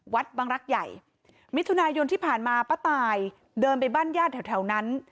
วัดบังรักใหญ่มิถุนายนที่ผ่านมาป้าตายเดินไปบ้านญาติแถวนั้น